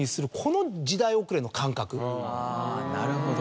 あぁなるほど。